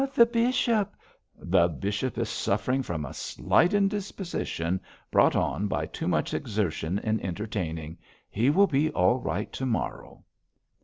'The bishop ' 'The bishop is suffering from a slight indisposition brought on by too much exertion in entertaining. He will be all right to morrow.'